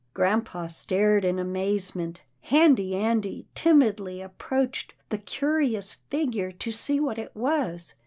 Grampa stared in amazement. Handy Andy timidly approached the curious figure to see what it was.